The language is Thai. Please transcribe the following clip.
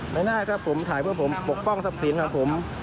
แม่หน้าครับผมถ่ายเพื่อผมปกป้องทรัพย์สินครับผม